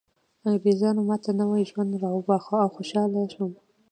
انګریزانو ماته نوی ژوند راوباښه او خوشحاله شوم